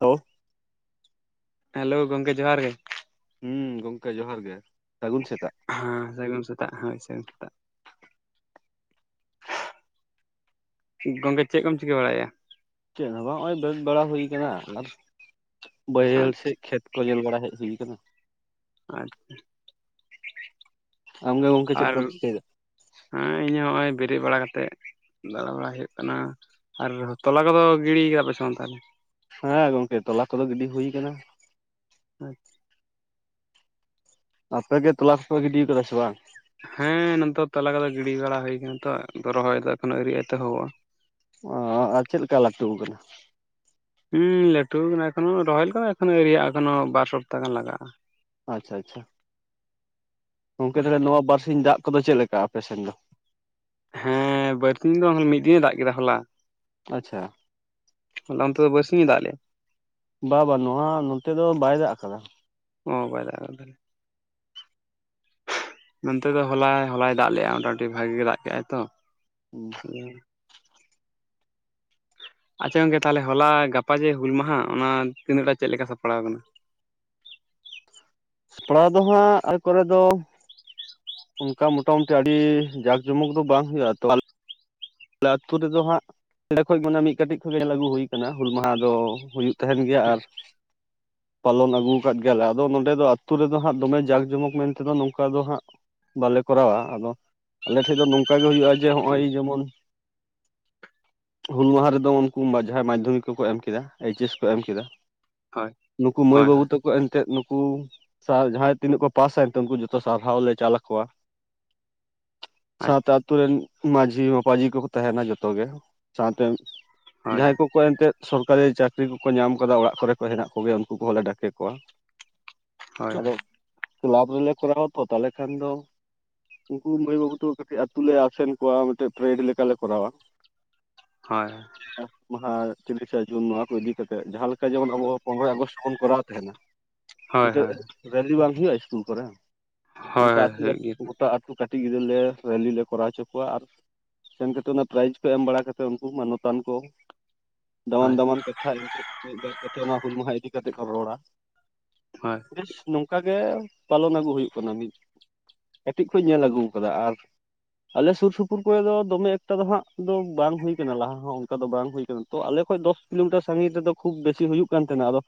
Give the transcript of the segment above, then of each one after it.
Hello hello ᱜᱚᱢᱠᱮ ᱡᱚᱦᱟᱨ ᱜᱮ ᱦᱮᱸ ᱜᱚᱢᱠᱮ ᱡᱚᱦᱟᱨ ᱜᱮ ᱥᱟᱹᱜᱩᱱ ᱥᱮᱛᱟᱜ ᱦᱮᱸ ᱥᱟᱹᱜᱤᱧ ᱥᱮᱛᱟᱜ [unintelligible] ᱥᱮᱛᱟᱜ ᱜᱚᱝᱠᱮ ᱪᱮᱫ ᱠᱚᱢ ᱪᱤᱠᱟᱹ ᱵᱟᱲᱟᱭᱮᱜᱼᱟ ᱪᱮᱫ ᱦᱚᱸ ᱵᱟᱝ ᱱᱚᱜᱼᱚᱭ ᱵᱫᱽ ᱵᱟᱲᱟ ᱦᱩᱭ ᱠᱟᱱᱟ ᱟᱨ ᱵᱟᱹᱭᱦᱟᱹᱲ ᱟᱪᱪᱷᱟ ᱥᱮᱮᱫ ᱠᱷᱮᱛ ᱠᱚ ᱧᱮᱞ ᱵᱟᱲᱟ ᱦᱮᱡ ᱦᱩᱭ ᱟᱠᱟᱱᱟ ᱟᱪᱪᱷᱟ ᱟᱢᱜᱮ ᱜᱚᱝᱠᱮ ᱪᱮᱫ ᱟᱨ ᱠᱚᱢ ᱪᱤᱠᱟᱹᱭᱮᱫᱟ ᱦᱮᱸ ᱤᱧᱟᱹᱜ ᱦᱚᱸᱦᱼᱚᱭ ᱵᱮᱨᱮᱫ ᱵᱟᱲᱟ ᱠᱟᱛᱮᱫ ᱫᱟᱬᱟ ᱵᱟᱲ ᱦᱩᱭᱩᱜ ᱠᱟᱱᱟ ᱟᱨ ᱛᱚᱞᱟ ᱠᱚᱫᱚ ᱜᱤᱲᱤᱭ ᱠᱟᱫᱟ ᱯᱮ ᱥᱮ ᱵᱟᱝ ᱛᱟᱦᱮ ᱦᱮᱸ ᱜᱚᱢᱠᱮ ᱛᱚᱞᱟ ᱠᱚᱫᱚ ᱜᱤᱰᱤ ᱦᱩᱭ ᱠᱟᱱᱟ ᱟᱪᱪᱷᱟ ᱟᱯᱮᱜ ᱜᱮ ᱛᱚᱞᱟ ᱠᱚᱯᱮ ᱜᱤᱰᱤ ᱠᱟᱫᱟ ᱥᱮ ᱵᱟᱝ ᱦᱮᱸ ᱱᱚᱱᱛᱮ ᱛᱟᱞᱟᱫᱚ ᱜᱤᱰᱤ ᱵᱟᱲᱟ ᱦᱩᱭ ᱟᱠᱟᱱᱟ ᱛᱚ ᱨᱚᱦᱚᱭ ᱫᱚ ᱮᱠᱱ ᱟᱳᱨᱤ ᱟᱭᱛᱮᱦᱼᱟ ᱚ ᱟᱨ ᱪᱮᱫ ᱞᱮᱠᱟ ᱞᱟᱹᱴᱩ ᱠᱟᱱᱟ ᱦᱮᱸ ᱞᱟᱹᱴᱩ ᱠᱟᱱᱟ ᱮᱠᱷᱚᱱᱳ ᱨᱚᱦᱚᱭ ᱞᱮᱠᱟ ᱫᱚ ᱟᱹᱳᱨᱤ ᱭᱟᱜᱼᱟ ᱮᱠᱷᱚᱱᱳ ᱵᱟᱨ ᱥᱚᱯᱛᱟᱦ ᱜᱟᱱ ᱞᱟᱜᱟᱜᱼᱟ ᱟᱪᱪᱷᱟ ᱟᱪᱪᱷᱟ ᱜᱚᱢᱠᱮ ᱛᱟᱦᱚᱞᱮ ᱱᱚᱣᱟ ᱵᱟᱨᱥᱤᱧ ᱫᱟᱜ ᱠᱚᱫᱚ ᱪᱮᱫ ᱞᱮᱠᱟ ᱟᱯᱮ ᱥᱮᱫ ᱫᱚ ᱦᱮᱸ ᱵᱟᱨᱛᱤᱤᱱ ᱫᱚ ᱢᱤᱫ ᱫᱤᱱᱮ ᱫᱟᱜ ᱠᱮᱫᱟ ᱦᱚᱞᱟ ᱟᱪᱪᱷᱟ ᱞᱟ ᱚᱱᱛᱮ ᱵᱟᱨᱥᱤᱝᱼᱮ ᱫᱟᱜ ᱞᱮᱜᱟ ᱵᱟ ᱵᱟᱝ ᱱᱚᱣᱟ ᱱᱚᱛᱮ ᱫᱚ ᱵᱟᱭ ᱫᱟᱜ ᱟᱠᱟᱫᱟ ᱚ ᱵᱟ ᱫᱟᱜ ᱛᱟᱦᱚᱞᱮ ᱱᱚᱱᱛᱮ ᱫᱚ ᱦᱚᱞᱟᱭ ᱦᱚᱞᱟᱭ ᱫᱟᱜ ᱞᱮᱜᱼᱟ ᱢᱚᱴᱟᱢᱩᱴᱤ ᱵᱷᱟᱜᱤ ᱜᱮ ᱫᱟᱜ ᱠᱮᱫᱟᱭ ᱛᱚ ᱦᱮᱸ ᱟᱪᱪᱷᱟ ᱜᱚᱝᱠᱮ ᱛᱟᱦᱚᱞᱮ ᱦᱚᱞᱟ ᱜᱟᱯᱟ ᱡᱮ ᱦᱩᱞ ᱢᱟᱦᱟ ᱚᱱᱟ ᱛᱤᱱᱟᱹᱜᱴᱟ ᱪᱮᱫ ᱞᱮᱠᱟ ᱥᱟᱯᱲᱟᱣ ᱟᱠᱟᱱᱟ [unintelligible] ᱥᱟᱯᱲᱟᱣ ᱫᱚᱦᱟᱸᱜ ᱮ ᱠᱚᱨᱮ ᱫᱚ ᱚᱱᱠᱟ ᱢᱳᱚᱴᱟᱢᱩᱴᱤ ᱟᱹᱰᱤ ᱡᱟᱠ ᱡᱚᱢᱚᱠ ᱫᱚ ᱵᱟᱝ ᱦᱩᱭᱩᱜᱼᱟ ᱛᱚ ᱟᱞᱮ ᱟᱹᱛᱩ ᱨᱮᱫᱚ ᱦᱟᱸᱜ ᱚᱰᱮ ᱠᱷ ᱢᱟᱱᱮ ᱢᱤᱫ ᱠᱟᱹᱴᱤᱡ ᱠᱷᱚᱡ ᱜᱮ ᱞᱟᱹᱜᱩ ᱦᱩᱭ ᱠᱟᱱᱟ ᱦᱩᱞ ᱢᱟᱦᱟ ᱫᱚ ᱦᱩᱭᱩᱜ ᱠᱟᱱᱟ ᱛᱟᱦᱮᱱ ᱜᱮᱭᱟ ᱟᱨ ᱯᱟᱞᱚᱱ ᱟᱹᱜᱩ ᱟᱠᱟᱫ ᱜᱮᱭᱟᱞᱮ ᱟᱫᱚ ᱱᱚᱸᱰᱮ ᱫᱚ ᱟᱹᱛᱩᱳ ᱨᱮᱫᱚ ᱦᱟᱸᱜ ᱫᱚᱢᱮ ᱡᱟᱸᱠᱼ ᱡᱚᱢᱚᱠ ᱢᱮᱱᱛᱮᱫᱚ ᱱᱚᱝᱠᱟ ᱫᱚ ᱦᱟᱸᱜ ᱵᱟᱞᱮ ᱠᱚᱨᱟᱣᱟ ᱟᱫᱚ ᱟᱞᱮ ᱴᱷᱮᱡ ᱫᱚ ᱱᱚᱝᱠᱟ ᱜᱮ ᱦᱩᱭᱩᱜᱼᱟ ᱡᱮ ᱱᱚᱜᱼᱚᱭ ᱦᱮᱸ ᱡᱮᱢᱚᱱ [unintelligible] ᱦᱩᱞ ᱢᱟᱦᱟ ᱨᱮᱫᱚ ᱩᱱᱠᱩ ᱡᱟᱦᱟᱸᱭ ᱢᱟᱫᱽᱫᱷᱚᱢᱤᱠ ᱠᱚᱠᱚ ᱮᱢ ᱠᱮᱫᱟ ᱮᱭᱤᱪ ᱮᱥ ᱠᱚ ᱮᱢ ᱠᱮᱫᱟ ᱦᱳᱭ ᱱᱩᱠᱩ ᱢᱟᱹᱭ ᱦᱳᱭ ᱵᱟᱹᱵᱩ ᱦᱳᱭ ᱛᱟᱠᱚ ᱮᱱᱛᱮᱫ ᱱᱩ ᱩᱱᱠᱩ ᱡᱟᱦᱟᱸᱭ ᱛᱤᱱᱟᱹᱜ ᱠᱚ ᱯᱟᱥᱟᱭᱱᱛᱮ ᱩᱱᱠᱩ ᱡᱚᱛᱚ ᱥᱟᱨᱦᱟᱣ ᱞᱮ ᱪᱟᱞ ᱟᱠᱚᱣᱟ ᱟᱪᱪᱷᱟ ᱥᱟᱶᱛᱮ ᱟᱹᱛᱩ ᱨᱮᱱ ᱢᱟᱹᱡᱷᱤ ᱢᱟᱯᱟᱡᱷᱤ ᱠᱚᱠᱚ ᱛᱟᱦᱮᱱᱟ ᱡᱚᱛᱚᱜ ᱜᱮ ᱥᱟᱶᱛᱮ ᱦᱳᱭ ᱡᱟᱦᱟᱸᱭ ᱠᱚᱠᱚ ᱮᱱᱛ ᱥᱚᱨ ᱥᱚᱨᱠᱟᱨᱤ ᱪᱟᱹᱠᱨᱤ ᱠᱚᱠᱚ ᱧᱟᱢ ᱠᱟᱫᱟ ᱚᱲᱟᱜ ᱠᱚᱨᱮ ᱠᱚ ᱦᱮᱱᱟᱜ ᱠᱚᱜᱮᱭᱟ ᱩᱱᱠᱩ ᱠᱚᱦᱚᱸᱞᱮ ᱰᱟᱠᱮ ᱠᱚᱣᱟ ᱦᱳᱭ ᱟᱫᱚ ᱦᱳᱭ ᱠᱞᱟᱵᱽ ᱨᱮᱞᱮ ᱠᱚᱨᱟᱣᱟ ᱟᱛᱚ ᱛᱟᱦᱚᱞᱮ ᱠᱷᱟᱱ ᱫᱚ ᱩᱱᱠᱩ ᱢᱟᱹᱭ ᱵᱟᱹᱵᱩ ᱛᱟᱠᱚ ᱠᱟᱹᱴᱤᱡ ᱟᱛᱩ ᱞᱮ ᱟᱥᱮᱱ ᱠᱚᱣᱟ ᱢᱤᱫᱴᱮᱱ ᱯᱨᱮᱰ ᱞᱮᱠᱟᱞᱮ ᱠᱚᱨᱟᱣᱟ ᱦᱳᱭ ᱢᱟᱦᱟ ᱛᱤᱨᱤᱥᱟ ᱡᱩᱱ ᱱᱚᱣᱟ ᱠᱚ ᱤᱫᱤᱠᱟ ᱠᱟᱛᱮᱜ ᱡᱟᱦᱟᱸᱮ ᱞᱮᱠᱟ ᱡᱮᱢᱚᱱ ᱟᱵᱚ ᱯᱚᱱᱨᱚᱭ ᱟᱜᱚᱥᱴ ᱵᱚᱱ ᱠᱚᱨᱟᱣ ᱛᱟᱦᱮᱱᱟ ᱦᱳᱭ ᱢᱤᱫᱴᱮᱡ ᱨᱮᱞᱤ ᱵᱟᱝ ᱦᱩᱭᱩᱜᱼᱟ ᱤᱥᱠᱩᱞ ᱠᱚᱨᱮ ᱚᱱᱠᱟ ᱦᱳᱭ ᱦᱳᱭ ᱦᱳᱭ ᱟᱹᱛᱩ ᱦᱩᱭᱩᱜ ᱜᱮᱭᱟ ᱜᱚᱴᱟ ᱟᱹᱛᱩ ᱠᱟᱹᱴᱤᱡ ᱜᱤᱫᱽᱨᱟᱹ ᱞᱮ ᱨᱮᱞᱤ ᱞᱮ ᱠᱚᱨᱟᱣ ᱦᱚᱪᱚ ᱠᱚᱣᱟ ᱟᱨ ᱥᱮᱱ ᱠᱟᱛᱮ ᱚᱱᱟ ᱯᱨᱟᱭᱤᱡᱽ ᱠᱚ ᱮᱢ ᱵᱟᱲᱟ ᱠᱟᱛᱮᱫ ᱩᱱᱠᱩ ᱢᱟᱱᱚᱛᱟᱱ ᱠᱚ ᱫᱟᱢᱟᱱ ᱦᱳᱭ ᱫᱟᱢᱟᱱ ᱠᱟᱛᱷᱟ ᱮᱱᱛᱮᱫ ᱢᱤᱫ ᱵᱟ ᱠᱟᱛᱮᱫ ᱚᱱᱟ ᱦᱩᱞ ᱢᱟᱦᱟ ᱤᱫᱤ ᱠᱟ ᱠᱟᱛᱮᱫ ᱠᱚ ᱨᱚᱲᱟ ᱦᱳᱭ ᱵᱮᱥ ᱱᱚᱝᱠᱟ ᱜᱮ ᱯᱟᱞᱚᱱ ᱟᱹᱜᱩ ᱦᱩᱭᱩᱜ ᱠᱟᱱᱟ ᱢᱤᱫ ᱠᱟᱹᱴᱤᱡ ᱠᱷᱡ ᱧᱮᱞ ᱟᱹᱜᱩ ᱠᱟᱫᱟ ᱟᱨ ᱟᱞᱮ ᱥᱩᱨ ᱥᱩᱯᱩᱨ ᱠᱚᱨᱮ ᱫᱚ ᱫᱚᱢᱮᱠᱴ ᱮᱴᱟ ᱫᱚ ᱦᱟᱸᱟᱜ ᱫᱚ ᱵᱟᱝ ᱦᱩᱭᱭᱟᱠ ᱞᱟᱦᱟ ᱦᱚᱸ ᱚᱱᱠᱟ ᱫᱚ ᱵᱟᱝ ᱦᱩᱭ ᱠᱟᱱᱟ ᱛᱚ ᱟᱞᱮ ᱠᱷᱚᱡ ᱫᱚᱥ ᱠᱤᱞᱳᱢᱤᱴᱟᱨ ᱥᱟᱺᱜᱤᱧ ᱨᱮᱫᱚ ᱠᱷᱩᱵ ᱵᱮᱥᱤ ᱦᱩᱭᱩᱜ ᱠᱟᱱ ᱛᱟᱦᱮᱱᱟ ᱟᱫᱚ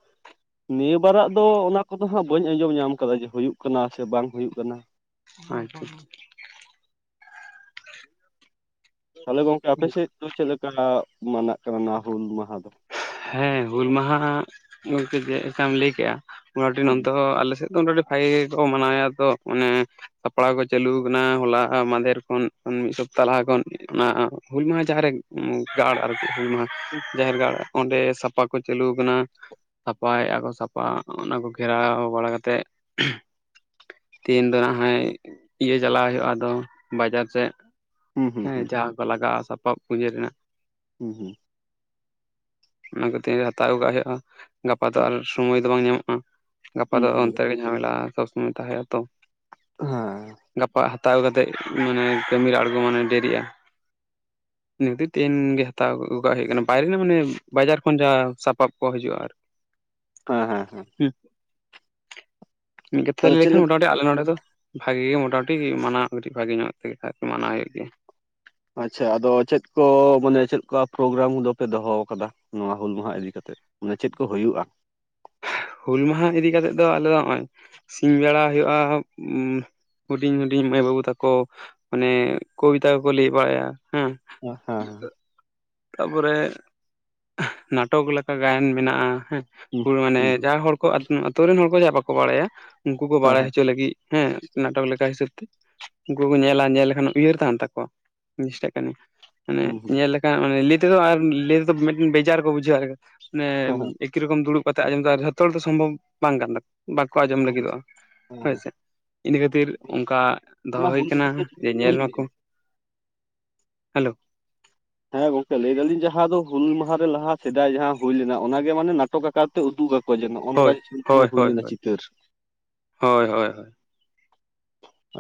ᱱᱤᱭᱟᱹ ᱵᱟᱨᱟᱜ ᱫᱚ ᱚᱱᱟ ᱠᱚᱫᱚ ᱦᱟᱸᱜ ᱵᱟᱹᱧ ᱟᱸᱡᱚᱢ ᱧᱟᱢ ᱠᱟᱫᱟ ᱡᱮ ᱦᱩᱭᱩᱜ ᱠᱟᱱᱟ ᱥᱮ ᱵᱟᱝ ᱦᱩᱭᱩᱜ ᱠᱟᱱᱟ ᱟᱪᱪᱷᱟ ᱛᱟᱦᱚᱞᱮ ᱜᱚᱝᱠᱮ ᱟᱯᱮ ᱥᱮᱫ ᱫᱚ ᱪᱮᱫᱞᱮᱠᱟᱱ ᱢᱟᱱᱟᱜ ᱠᱟᱱᱟ ᱦᱩᱞ ᱢᱟ ᱦᱮᱸ ᱦᱩᱞ ᱢᱟᱦᱟ ᱵᱚᱞᱛᱮ ᱪᱮᱫᱠᱟᱢ ᱞᱟᱹᱭ ᱠᱮᱫᱮᱜᱟ [inaudible] ᱟᱹᱰᱤ ᱦᱩᱸ ᱱᱚᱛᱮ ᱦᱚ ᱟᱞᱮ ᱥᱮᱫ ᱫᱚ ᱵᱟᱞᱮ ᱜᱮᱠᱚ ᱢᱟᱱᱟᱣ ᱛᱚ ᱢᱟᱱᱮ ᱥᱟᱯᱲᱟᱣ ᱠᱚ ᱪᱟᱞᱩ ᱠᱟᱱᱟ ᱦᱚᱞᱟ ᱢᱟᱫᱷᱮᱨ ᱠᱷᱚᱱ ᱢᱤᱫ ᱥᱚᱯᱛᱟ ᱛᱟᱞᱟᱦᱟ ᱠᱷᱚᱱ ᱚᱱᱟ ᱦᱩᱞ ᱢᱟᱦᱟ ᱡᱟᱦᱟ ᱨᱮ ᱜᱟᱲ ᱟᱨᱠᱤ ᱦᱩᱞ ᱢᱟᱦᱟ ᱡᱟᱦᱮᱨ ᱜᱟᱲ ᱚᱸᱰᱮ ᱥᱟᱯᱟ ᱠᱚ ᱪᱟᱞᱩ ᱠᱟᱱᱟ ᱥᱟᱯᱷᱟᱭᱟᱼᱟ ᱠᱚ ᱥᱟᱯᱷᱟ ᱚᱱᱟ ᱠᱚ ᱜᱷᱮᱨᱟᱣ ᱵᱟᱲᱟ ᱠᱟᱛᱮᱫ ᱛᱤᱦᱤᱧ ᱫᱚ ᱦᱟᱜ ᱤᱭᱟᱹ ᱪᱟᱞᱟᱣ ᱦᱩᱭᱩᱜ-ᱟ ᱟᱫᱚ ᱵᱟᱡᱟᱨ ᱥᱮᱫ ᱦᱩᱸ ᱦᱩᱸ ᱦᱩᱸ ᱦᱮᱸ ᱡᱟᱦᱟᱸ ᱠᱚ ᱞᱟᱜᱟᱜ-ᱟ ᱥᱟᱯᱟᱵ ᱯᱩᱡᱟᱹ ᱨᱮᱱᱟᱜ ᱦᱮᱸ ᱦᱮᱸ ᱚᱱᱟ ᱠᱚ ᱛᱤᱦᱤᱧ ᱨᱮ ᱦᱟᱛᱟᱣ ᱟᱹᱜᱩ ᱠᱟᱜ ᱦᱩᱭᱩᱜ-ᱟ ᱜᱟᱯᱟ ᱫᱚ ᱟᱨ ᱥᱚᱢᱚᱭ ᱫᱚ ᱵᱟᱝ ᱧᱟᱢᱚᱜ-ᱟ ᱜᱟᱯᱟ ᱦᱩᱸ ᱫᱚ ᱦᱩᱸ ᱚᱱᱛᱮ ᱨᱮ ᱡᱟᱢᱮᱞᱟ ᱥᱚᱵ ᱥᱚᱢᱚᱭ ᱛᱟᱦᱮ ᱟᱛᱚ ᱦᱮᱸ ᱦᱟᱛᱟᱣ ᱠᱟᱛᱮ ᱢᱟᱱᱮ ᱠᱟᱹᱢᱤ ᱨᱮ ᱟᱬᱹᱜᱩ ᱢᱟᱱᱮ ᱰᱮᱨᱤᱜ-ᱟ [inaudible] ᱴᱤᱱᱜ ᱜᱮ ᱦᱟᱛᱟᱣ ᱟᱹᱜ ᱠᱟᱜ ᱦᱩᱭᱩᱜ ᱠᱟᱱᱟ ᱵᱟᱭᱨᱮ ᱢᱟᱱᱮ ᱵᱟᱡᱟᱨ ᱠᱷᱚᱱ ᱡᱟᱶ ᱥᱟᱯᱟᱵ ᱠᱚ ᱦᱤᱡᱩᱜ-ᱟ ᱟᱨ ᱦᱮᱸ ᱦᱮᱸ ᱦᱮᱸ ᱦᱩᱸ ᱢᱤᱫ ᱠᱟᱛᱷᱟ ᱛᱟᱦᱚᱞᱮ ᱞᱟᱹᱭ ᱪᱮᱫ ᱞᱮᱠᱷᱟᱱ ᱞᱮᱠ ᱢᱚᱴᱟᱢᱩᱴᱤ ᱟᱞᱮ ᱱᱚᱸᱰᱮ ᱫᱚ ᱵᱷᱟᱜᱮ ᱜᱮ ᱢᱳᱴᱟᱢᱩᱴᱤ ᱢᱟᱱᱟᱣ ᱠᱟᱹᱴᱤᱡ ᱵᱷᱟᱜᱮ ᱧᱚᱜ ᱛᱮᱜᱮ ᱟᱨᱤ ᱢᱟᱱᱟᱣ ᱦᱩᱭᱩᱜ ᱜᱮᱭᱟ ᱟᱪᱪᱷᱟ ᱟᱫᱚ ᱪᱮᱫ ᱠᱚ ᱢᱟᱱᱮ ᱪᱮᱫᱠᱟ ᱯᱨᱳᱜᱨᱟᱢ ᱫᱚᱯᱮ ᱫᱚᱦᱚ ᱟᱠᱟᱫᱟ ᱱᱚᱣᱟ ᱦᱩᱞ ᱢᱟᱦᱟ ᱤᱫᱤ ᱠᱟᱛᱮ ᱢᱟᱱᱮ ᱪᱮᱫ ᱠᱚ ᱦᱩᱭᱩᱜ-ᱟ ᱦᱩᱞ ᱢᱟᱦᱟ ᱤᱫᱤ ᱠᱟᱛᱮ ᱫᱚ ᱟᱞᱮ ᱫᱚ ᱱᱚᱜ-ᱚᱭ ᱥᱤᱧ ᱵᱮᱲᱟ ᱦᱩᱭᱩᱜᱼᱟ ᱩᱸ ᱦᱩᱰᱤᱧ ᱦᱩᱰᱤᱧ ᱢᱟᱹᱭ ᱵᱟᱹᱵᱩ ᱛᱟᱠᱚ ᱢᱟᱱᱮ ᱠᱚᱵᱤᱛᱟ ᱠᱚ ᱠᱚ ᱞᱟᱹᱭ ᱵᱟᱲᱟᱭᱟ ᱦᱮᱸ ᱦᱮᱸ ᱛᱟ ᱯᱚᱨᱮ ᱱᱟᱴᱚᱠ ᱞᱮᱠᱟ ᱜᱟᱭᱟᱱ ᱢᱮᱱᱟᱜ-ᱟ ᱦᱮᱸ ᱦᱩᱲ ᱢᱟᱱᱮ ᱦᱮᱸ ᱦᱮᱸ ᱡᱟᱶ ᱦᱚᱲ ᱠᱚ ᱟᱛᱩ ᱨᱮᱱ ᱦᱚᱲ ᱠᱚ ᱡᱟᱦᱟᱸ ᱵᱟᱠᱚ ᱵᱟᱲᱟᱭᱟ ᱩᱱᱠᱩ ᱠᱚ ᱦᱮᱸ ᱵᱟᱲᱟᱭ ᱦᱚᱪᱚ ᱞᱟᱹᱜᱤᱫ᱾ ᱦᱮᱸ ᱱᱟᱴᱚᱠ ᱞᱮᱠᱟ ᱦᱤᱥᱟᱹᱵ ᱛᱮ ᱩᱱᱠᱩ ᱠᱚ ᱧᱮᱞ-ᱟ ᱧᱮᱞ ᱞᱮᱠᱷᱟᱱ ᱩᱭᱦᱟᱹᱨ ᱛᱟᱦᱮᱱ ᱛᱟᱠᱚᱣᱟ [unintelligible] ᱡᱤᱥᱴᱟᱜ ᱠᱟᱱᱟ ᱢᱟᱱᱮ ᱦᱮᱸ ᱧᱮᱞ ᱢᱟᱱᱮ ᱞᱟᱹᱭ ᱛᱮ ᱫᱚ ᱟᱨ ᱞᱟᱹᱭ ᱛᱮ ᱫᱚ ᱵᱮᱡᱟᱨ ᱠᱚ ᱵᱩᱡᱷᱟᱹᱜᱼᱟ ᱟᱨ ᱢᱟᱱᱮ ᱦᱮᱸ ᱮᱠᱤ ᱨᱚᱠᱚᱢ ᱫᱩᱲᱩᱵ ᱠᱟᱛᱮ ᱟᱸᱡᱚᱢ ᱫᱚ ᱟᱨᱦᱚᱛᱚ ᱡᱚᱛᱚ ᱫᱚ ᱥᱚᱢᱵᱷᱚᱵ ᱵᱟᱝ ᱠᱟᱱ ᱛᱟᱠᱚᱣᱟ ᱵᱟᱠᱚ ᱟᱸᱡᱚᱢ ᱦᱮᱸ ᱞᱟᱹᱜᱤᱫᱚᱜᱼᱟ ᱦᱮᱸ ᱦᱳᱭ ᱦᱮᱸ ᱥᱮ ᱤᱱᱟᱹ ᱠᱷᱟᱹᱛᱤᱨ ᱚᱱᱠᱟ ᱫᱚᱦᱚ ᱚᱱᱟ ᱦᱩᱭ ᱦᱩᱞ ᱠᱟᱱᱟ ᱢᱟᱦᱟ ᱫᱚ ᱡᱮ ᱧᱮᱞ ᱦᱩᱭ ᱢᱟ ᱞᱮᱱᱟ ᱠᱚ ᱦᱮᱞᱳ ᱦᱮᱸ ᱜᱚᱝᱠᱮ ᱞᱟᱹᱭ ᱫᱟᱞᱤᱧ ᱡᱟᱦᱟᱸ ᱫᱚ ᱦᱩᱞ ᱢᱟᱦᱟ ᱨᱮ ᱞᱟᱦᱟ ᱥᱮᱫᱟᱭ ᱡᱟᱦᱟᱸ ᱦᱩᱭ ᱞᱮᱱᱟ ᱚᱱᱟ ᱜᱮ ᱢᱟᱱᱮ ᱱᱟᱴᱚᱠ ᱟᱠᱟᱨ ᱛᱮ ᱩᱫᱩᱜ ᱟᱠᱚ ᱠᱚ ᱡᱮ ᱱᱚᱜ-ᱚᱭ ᱦᱳᱭ ᱩᱱ ᱦᱳᱭ ᱥᱚᱢᱚᱭ ᱦᱩᱭ ᱦᱳᱭ ᱞᱮᱱᱟ ᱦᱳᱭ ᱪᱤᱛᱟᱹᱨ ᱦᱳᱭ ᱦᱳᱭ ᱦᱳᱭ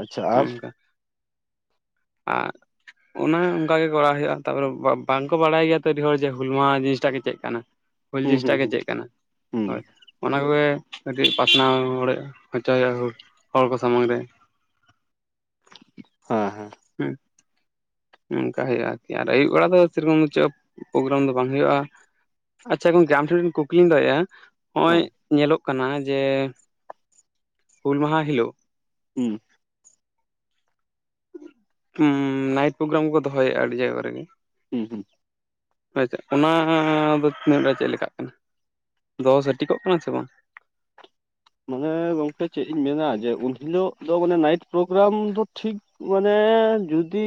ᱟᱪᱪᱷᱟ ᱟᱨ ᱚᱱᱠᱟ ᱟᱨ ᱚᱱᱟ ᱚᱱᱠᱟ ᱜᱮ ᱠᱚᱨᱟᱣ ᱦᱩᱭᱩᱜᱼᱟ ᱛᱟᱨᱯᱚᱨᱮ ᱵᱟᱝᱠᱚ ᱵᱟᱲᱟᱭ ᱜᱮᱭᱟ ᱛᱚ ᱟᱹᱰᱤ ᱦᱚᱲ ᱡᱮ ᱦᱩᱞ ᱢᱟᱦᱟᱸ ᱡᱤᱱᱤᱥᱴᱟᱜ ᱜᱮ ᱪᱮᱫ ᱠᱟᱱᱟ ᱦᱩᱞ ᱦᱩᱸ ᱡᱤᱱᱤᱥᱴᱟᱜ ᱦᱩᱸ ᱜᱮ ᱦᱩᱸ ᱪᱮᱫ ᱠᱟᱱᱟ ᱦᱩᱸ ᱦᱳᱭ ᱚᱱᱟ ᱠᱚᱜᱮ ᱠᱟᱹᱴᱤᱡ ᱯᱟᱥᱱᱟᱣ ᱦᱚᱲᱮᱫ ᱦᱚᱪᱚᱭ ᱦᱩᱭᱩᱜᱼᱟ ᱦᱚᱲ ᱠᱚ ᱥᱟᱢᱟᱝ ᱨᱮ ᱦᱮᱸ ᱦᱮᱸ ᱦᱮᱸ ᱚᱱᱠᱟ ᱦᱩᱭᱩᱜᱼᱟ ᱟᱨ ᱠᱤ ᱟᱫᱚ ᱟᱹᱭᱩᱵ ᱵᱮᱲᱟ ᱫᱚ ᱥᱮᱭᱨᱚᱠᱚᱢ ᱫᱚ ᱪᱮᱫ ᱯᱨᱳᱜᱨᱟᱢ ᱫᱚ ᱵᱟᱝ ᱦᱩᱭᱩᱜᱼᱟ ᱟᱪᱪᱷᱟ ᱜᱚᱢᱠᱮ ᱟᱢ ᱴᱷᱮᱱ ᱠᱩᱠᱞᱤ ᱫᱚᱦᱚᱮᱭᱟ ᱱᱚᱜᱼᱚᱭ ᱦᱮᱸ ᱧᱮᱞᱚᱜ ᱠᱟᱱᱟ ᱡᱮ ᱦᱩᱞ ᱢᱟᱦᱟ ᱦᱤᱞᱳᱜ ᱦᱮᱸ ᱦᱮᱸ ᱱᱟᱭᱴ ᱯᱨᱳᱜᱨᱟᱢ ᱠᱚ ᱫᱚᱦᱚᱭᱮᱫᱼᱟ ᱟᱹᱰᱤ ᱡᱟᱭᱜᱟ ᱠᱚᱨᱮᱫ ᱜᱮ ᱦᱮᱸ ᱟᱪᱪᱷᱟ ᱚᱱᱟ ᱫᱚ ᱛᱤᱱᱟᱹᱜ ᱜᱟᱱ ᱪᱮᱫ ᱞᱮᱠᱟᱜ ᱠᱟᱱᱟ ᱫᱚ ᱦᱟᱹᱴᱤᱠᱚᱜ ᱠᱟᱱᱟ ᱥᱮ ᱵᱟᱝ [unintelligible] ᱢᱟᱱᱮ ᱜᱚᱝᱠᱮ ᱪᱮᱫ ᱤᱧ ᱢᱮᱱᱟ ᱡᱮ ᱩᱱᱦᱤᱞᱳᱜ ᱫᱚ ᱢᱟᱱᱮ ᱱᱟᱭᱤᱴ ᱯᱨᱳᱜᱨᱟᱢ ᱫᱚ ᱴᱷᱤᱠ ᱢᱟᱱᱮ ᱡᱩᱫᱤ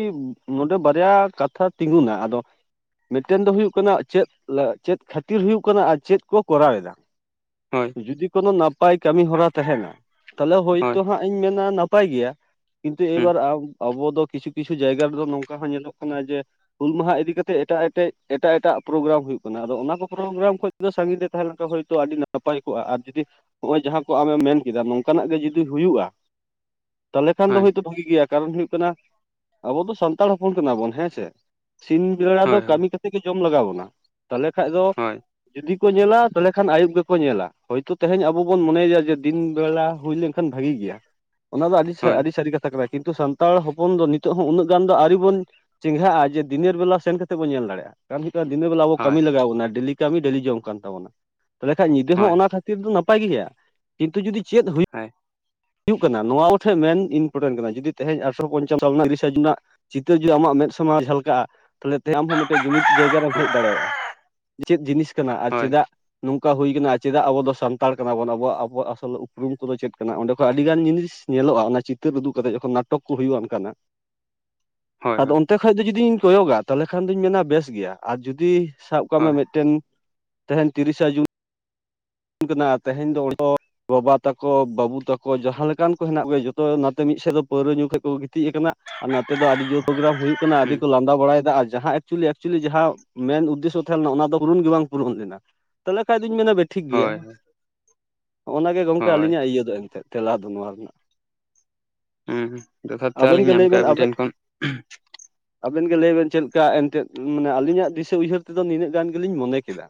ᱱᱚᱰᱮ ᱵᱟᱨᱭᱟ ᱠᱟᱛᱷᱟ ᱛᱤᱸᱜᱩᱱᱟ ᱟᱫᱚ [unintelligible] ᱢᱤᱫᱴᱮᱱ ᱫᱚ ᱦᱩᱭᱩᱜ ᱠᱟᱱᱟ ᱪᱮᱫ ᱪᱮᱫ ᱠᱷᱟᱹᱛᱤᱨ ᱦᱩᱭᱩᱜ ᱠᱟᱱᱟ ᱟᱨ ᱪᱮᱫ ᱠᱚ ᱠᱚᱨᱟᱣ ᱮᱫᱟ ᱦᱳᱭ ᱡᱩᱫᱤ ᱠᱚ ᱱᱟ ᱱᱟᱯᱟᱭ ᱠᱟᱹᱢᱤ ᱦᱚᱨᱟ ᱛᱟᱦᱮᱱᱟ ᱛᱟᱦᱚᱞᱮ ᱦᱳᱭ ᱦᱳᱭᱛᱚ ᱦᱟᱸᱜ ᱤᱧ ᱢᱮᱱ-ᱟ ᱱᱟᱯᱟᱭ ᱜᱮᱭᱟ ᱠᱤᱱᱛᱩ ᱦᱩᱸ ᱮᱵᱟᱨ ᱟᱢ ᱟᱵᱚ ᱫᱚ ᱠᱤᱪᱷᱩ ᱠᱤᱪᱷᱩ ᱡᱟᱭᱜᱟ ᱨᱮᱫᱚ ᱱᱚᱝᱠᱟ ᱦᱚᱸ ᱧᱮᱞᱚᱜ ᱠᱟᱱᱟ ᱡᱮ ᱦᱩᱞ ᱢᱟᱦᱟ ᱤᱫᱤ ᱠᱟᱛᱮ ᱮᱴᱟᱜ ᱮᱴᱮᱡ ᱮᱴᱟᱜ ᱮᱴᱟᱜ ᱯᱨᱳᱜᱨᱟᱢ ᱦᱩᱭᱩᱜ ᱠᱟᱱᱟ ᱚᱱᱟ ᱠᱚ ᱟᱫᱚ ᱚᱱᱟᱠᱚ ᱯᱨᱚᱜᱨᱟᱢ ᱠᱷᱚᱱ ᱥᱟᱜᱤᱧ ᱨᱮ ᱛᱟᱦᱮᱸ ᱞᱮᱱᱠᱷᱟᱱ ᱦᱭᱛ ᱟᱹᱰᱤ ᱱᱟᱯᱟᱭ ᱠᱚᱜᱼᱟ ᱟᱨ ᱡᱩᱫᱤ ᱱᱚᱜᱼᱚᱭ ᱡᱟᱦᱟᱸ ᱠᱚ ᱟᱢᱮᱢ ᱢᱮᱱ ᱠᱮᱫᱟ ᱱᱚᱝᱠᱟᱱᱟᱜ ᱜᱮ ᱡᱩᱫᱤ ᱦᱩᱭᱩᱜ-ᱟ ᱛᱟᱦᱚᱞᱮ ᱠᱷᱟᱱ ᱫᱚ ᱦᱳᱭ ᱦᱳᱭᱛᱚ ᱵᱷᱟᱹᱜᱤ ᱜᱮᱭᱟ ᱠᱟᱨᱚᱱ ᱦᱩᱭᱩᱜ ᱠᱟᱱᱟ ᱟᱵᱚ ᱫᱚ ᱥᱟᱱᱛᱟᱲ ᱦᱚᱯᱚᱱ ᱠᱟᱱᱟ ᱵᱚᱱ ᱦᱮᱸ ᱥᱮ ᱥᱤᱧ ᱵᱮᱲᱟ ᱫᱚ ᱦᱳᱭ ᱠᱟᱢᱤ ᱠᱟᱛᱮᱫ ᱜᱮ ᱡᱚᱢ ᱞᱟᱜᱟᱣ ᱟᱵᱚᱱᱟ ᱛᱟᱦᱚᱞᱮ ᱠᱷᱟᱱ-ᱫᱚ ᱦᱳᱭ ᱡᱩᱫᱤ ᱧᱮᱞᱟ ᱛᱟᱦᱚᱞᱮ ᱠᱷᱟᱱ ᱟᱹᱭᱩᱵ ᱜᱮᱠᱚ ᱧᱮᱞᱟ ᱦᱚᱭᱛᱳᱚ ᱛᱮᱦᱮᱧ ᱟᱵᱚ ᱟᱵᱚᱱ ᱢᱚᱱᱮᱭᱮᱭᱟ ᱡᱮ ᱫᱤᱱ ᱵᱮᱲᱟ ᱦᱳᱭ ᱞᱮᱱᱠᱷᱟᱱ ᱵᱷᱟᱜᱤ ᱜᱮᱭᱟ ᱚᱱᱟ ᱫᱚ ᱟᱹᱰᱤ ᱦᱳᱭ ᱟᱹᱰᱤ ᱥᱟᱹᱨᱤ ᱠᱟᱛᱷᱟ ᱠᱟᱱᱟ ᱠᱤᱱᱛᱩ ᱥᱟᱱᱛᱟᱲ ᱦᱚᱯᱚᱱ ᱫᱚ ᱱᱤᱛᱚᱜ ᱦᱚᱸ ᱩᱱᱟᱹᱜ ᱜᱟᱱ ᱫᱚ ᱟᱹᱣᱨᱤ ᱵᱚᱱ ᱪᱮᱸᱜᱷᱟ-ᱟ ᱡᱮ ᱫᱤᱱᱮᱹᱨ ᱵᱮᱞᱟ ᱥᱮᱱ ᱠᱟᱛᱮᱫ ᱵᱚᱱ ᱧᱮᱞ ᱫᱟᱲᱮᱭᱟ-ᱟ ᱫᱱᱟᱹ ᱵᱮᱞᱟ ᱟᱵᱚ ᱦᱳᱭ ᱠᱟᱹᱢᱤ ᱞᱟᱜᱟᱣ ᱵᱚᱱᱟ ᱫᱩᱱᱮᱨ ᱰᱮᱞᱟ ᱠᱟᱹᱢᱤ ᱰᱮᱞᱤ ᱡᱚᱢ ᱠᱟᱱ ᱛᱵᱚᱱᱟ ᱛᱟᱦᱚᱞᱮ ᱠᱷᱟᱱ ᱧᱤᱫᱟ ᱦᱳᱭ ᱦᱚᱸ ᱦᱳᱭ ᱚᱱᱟ ᱠᱷᱟᱹᱛᱤᱨ ᱫᱚ ᱱᱟᱯᱟᱭ ᱱᱟᱯᱟᱭ ᱜᱮ ᱦᱩᱭᱩᱜ-ᱟ ᱠᱤᱱᱛᱩ ᱡᱩᱫᱤ ᱪᱮᱫ ᱦᱩᱭᱩᱜ-ᱟ ᱦᱳᱭ ᱦᱩᱭᱩᱜ ᱠᱟᱱᱟ ᱱᱚᱣᱟ ᱠᱚᱴᱷᱮᱱ ᱢᱮᱱ ᱤᱢᱯᱴᱮᱱᱴ ᱠᱟᱱᱟ ᱡᱩᱫᱤ ᱛᱮᱦᱮᱧ ᱟᱴᱷᱨᱚ ᱯᱚᱧᱪᱟᱱᱱᱚ ᱥᱟᱞ ᱨᱮᱱᱟᱜ ᱛᱤᱨᱤᱥᱟ ᱡᱩᱱ ᱨᱮᱱᱟᱜ ᱪᱤᱛᱟᱹᱨ ᱡᱩᱫᱤ ᱟᱢᱟᱜ ᱢᱮᱫ ᱥᱚᱢᱟᱜ ᱨᱮ ᱡᱷᱟᱞᱠᱟᱜ-ᱟ ᱛᱟᱦᱮ ᱛᱮ ᱟᱢ ᱦᱚᱸ ᱢᱤᱫᱴᱮᱱ ᱡᱩᱢᱤᱫ ᱡᱟᱭᱜᱟᱟᱨᱮᱢ ᱦᱮᱡ ᱫᱟᱲᱮᱭᱟᱜ-ᱟ ᱪᱮᱫ ᱡᱤᱱᱤᱥ ᱠᱟᱱᱟ ᱟᱨ ᱪᱮᱫᱟᱜ ᱱᱚᱝᱠᱟ ᱦᱩᱭ ᱠᱟᱱᱟ ᱪᱮᱫᱟᱜ ᱟᱵᱚ ᱫᱚ ᱥᱟᱱᱛᱟᱲ ᱠᱟᱱᱟ ᱵᱚᱱ ᱟᱵᱟᱵᱣᱟᱜ ᱟᱥᱚᱞ ᱨᱩᱢ ᱠᱚᱫᱚ ᱪᱮᱫ ᱠᱟᱱᱟ ᱚᱸᱰᱮ ᱟᱹᱰᱤᱜᱟᱱ ᱡᱤᱱᱤᱥ ᱧᱮᱞᱚᱜ-ᱟ ᱚᱱᱟ ᱪᱤᱛᱟᱹᱨ ᱩᱫᱩᱜ ᱠᱟᱛᱮᱫ ᱡᱚᱠᱷᱚᱱ ᱱᱟᱴᱚᱠ ᱠᱚ ᱦᱩᱭᱩᱜ-ᱟ ᱚᱱᱠᱟᱱᱟ ᱦᱳᱭ ᱦᱳᱭ ᱦᱳᱭ ᱟᱫᱚ ᱚᱱᱛᱮ ᱠᱷᱚᱡ ᱫᱚ ᱡᱩᱫᱤᱧ ᱠᱚᱭᱚᱜᱟ ᱛᱟᱦᱮ ᱠᱷᱟᱱ ᱫᱚᱩᱧ ᱢᱮᱱ-ᱟ ᱵᱮᱥ ᱜᱮᱭᱟ ᱟᱨ ᱡᱩᱫᱤ ᱥᱟᱵ ᱠᱟᱜ ᱢᱮ ᱢᱤᱴᱟᱱ ᱛᱮᱦᱮᱧ ᱛᱤᱨᱤᱥᱟ ᱡᱩᱱ ᱠᱟᱱᱟ ᱛᱮᱦᱮᱧ ᱫᱚ ᱚᱰᱮ ᱫᱚ ᱵᱟᱵᱟ ᱛᱟᱠᱚ ᱵᱟᱵᱩ ᱛᱟᱠᱚ ᱡᱟᱦᱟᱸ ᱞᱮᱠᱟᱱ ᱠᱚ ᱦᱮᱱᱟᱜ ᱠᱚᱭᱟ ᱡᱚᱛᱚ ᱱᱟᱛᱮ ᱢᱤᱫ ᱢᱤᱫ ᱥᱮᱫ ᱫᱚ ᱯᱟᱹᱣᱨᱟᱹ ᱧᱩ ᱠᱷᱚᱱ ᱠᱚ ᱢᱤᱫ ᱥᱮᱫ ᱫᱚ ᱯᱟᱭᱨᱟ ᱧᱩ ᱜᱮᱠᱚ ᱜᱤᱛᱤᱡ ᱟᱠᱟᱱᱟ ᱟᱨ ᱱᱚᱛᱮ ᱫᱚ ᱟᱹᱰᱤ ᱡᱳᱨ ᱯᱨᱳᱜᱨᱟᱢ ᱦᱩᱭᱩᱜ ᱠᱟᱱᱟ ᱟᱹᱰᱤ ᱦᱩᱸ ᱠᱚ ᱞᱟᱹᱫᱟ ᱵᱟᱲᱟᱭᱮᱫᱟ ᱡᱟᱦᱟ ᱮᱠ ᱪᱩᱭᱮᱞᱤ ᱮᱞ ᱪᱩᱭᱮᱞᱤ ᱢᱮᱱ ᱩᱫᱮᱥᱷᱚ ᱛᱟᱦᱮᱸ ᱞᱮᱱᱟ ᱚᱱᱟ ᱫᱚ ᱯᱩᱨᱚᱱ ᱜᱮ ᱵᱟᱝ ᱯᱩᱨᱩᱱ ᱞᱮᱱᱟ ᱛᱟᱦᱚᱞᱮ ᱠᱷᱟᱱᱫᱚᱧ ᱢᱮᱱᱟ ᱵᱮ ᱴᱷᱤᱠ ᱜᱮᱭᱟ ᱦᱳᱭ ᱱᱚᱦᱚᱱᱚᱭᱟᱜᱮ ᱜᱮ ᱦᱳᱭ ᱟᱹᱞᱤᱧᱟᱜ ᱤᱭᱟᱹ ᱫᱚ ᱮᱱᱛᱮ ᱛᱮᱞᱟ ᱫᱚ ᱱᱚᱣᱟ ᱨᱮᱱᱟᱜ ᱦᱩᱸ ᱡᱚᱛᱷᱟᱛ ᱛᱮᱞᱟ ᱟᱵᱮᱱ ᱞᱤᱧ ᱜᱮ ᱧᱟᱢ ᱞᱟᱹᱭ ᱠᱮᱜᱼᱟ ᱵᱮᱱ ᱟᱹᱵᱤᱱ ᱟᱵᱮᱱ ᱴᱷᱮᱱ ᱠᱷᱚᱱ ᱟᱵᱮᱱ ᱜᱮ ᱞᱟᱹᱭ ᱵᱮᱱ ᱪᱮᱫ ᱞᱮᱠᱟ ᱮᱱᱛᱮᱫ ᱢᱟᱱᱮ ᱟᱹᱞᱤᱧᱟᱜ ᱫᱤᱥᱟᱹ ᱩᱭᱦᱟᱹᱨ ᱛᱮᱫᱚ ᱱᱤᱱᱟᱹᱜ ᱜᱟᱱ ᱜᱮᱞᱤᱧ ᱢᱚᱱᱮ ᱠᱮᱫᱟ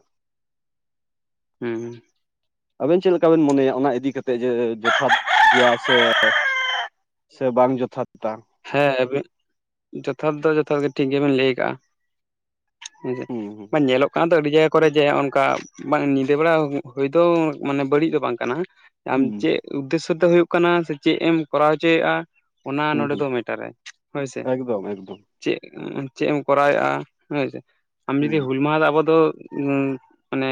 ᱦᱩᱸ ᱟᱵᱤᱱ ᱪᱮᱫ ᱞᱮᱠᱟ ᱵᱮᱱ ᱢᱚᱱᱮᱭᱟ ᱚᱱᱟ ᱤᱫᱤ ᱠᱟᱛᱮᱫ ᱡᱚᱛᱷᱟᱛ ᱜᱮᱭᱟ ᱥᱮ ᱥᱮ ᱵᱟᱝ ᱡᱚᱛᱷᱟᱛ-ᱟ ᱦᱮᱸᱟᱵᱤᱱ ᱡᱚᱛᱷᱟᱛ ᱫᱚ ᱡᱚᱛᱷᱟ ᱜᱮ ᱴᱷᱤᱠ ᱜᱮᱵᱤᱱ ᱞᱟᱹᱭ ᱠᱟᱜ-ᱟ ᱦᱮᱸᱪ ᱦᱩᱸ ᱦᱩᱸ ᱵᱟᱝ ᱧᱮᱞᱚᱜ ᱠᱟᱱ ᱟᱹᱰᱤ ᱡᱟᱭᱜᱟ ᱠᱚᱨᱮ ᱡᱮ ᱱᱚᱝᱠᱟ ᱧᱤᱫᱟᱹ ᱵᱮᱲᱟ ᱦᱩᱭ ᱛᱚ ᱢᱟᱱᱮ ᱵᱟᱹᱲᱤᱡ ᱫᱚ ᱵᱟᱝ ᱠᱟᱱᱟ ᱟᱢ ᱦᱩᱸ ᱪᱮᱫ ᱩᱫᱽᱫᱮᱥᱚ ᱛᱮ ᱦᱩᱭᱩᱜ ᱠᱟᱱᱟ ᱥᱮ ᱪᱮᱫ ᱮᱢ ᱠᱚᱨᱟᱣ ᱦᱚᱪᱚᱭᱮᱫᱟ ᱚᱱᱟ ᱦᱩᱸ ᱱᱚᱸᱰᱮ ᱪ ᱦᱩᱸ ᱢᱤᱴᱟᱨ ᱟᱭ ᱦᱳᱭᱥᱮ ᱮᱠᱫᱚᱢ ᱮᱠᱫᱚᱢ ᱪᱮᱫ ᱪᱮᱫ ᱮᱢ ᱠᱚᱨᱟᱣ ᱮᱫᱼᱟ ᱦᱳᱭ ᱥᱮ ᱟᱢ ᱦᱩᱸ ᱡᱩᱫᱤᱢ ᱦᱩᱞ ᱢᱟᱦᱟ ᱨᱮ ᱟᱵᱚ ᱫᱚ ᱢᱟᱱᱮ